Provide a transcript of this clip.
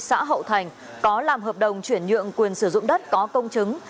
xã hậu thành có làm hợp đồng chuyển nhượng quyền sử dụng đất có công chứng